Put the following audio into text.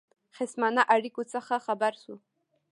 خصمانه اړېکو څخه خبر شو.